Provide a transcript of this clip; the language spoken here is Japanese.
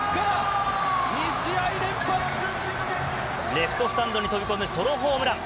レフトスタンドに飛び込むソロホームラン。